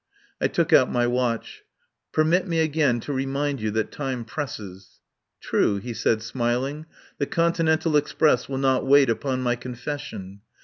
I took out my watch. "Permit me again to remind you that time presses." "True," he said smiling, "the continental express will not wait upon my confession.